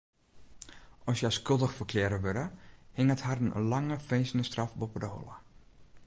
As hja skuldich ferklearre wurde, hinget harren in lange finzenisstraf boppe de holle.